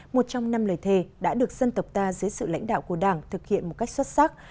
một trong năm lời thề đã được dân tộc ta dưới sự lãnh đạo của đảng thực hiện một cách xuất sắc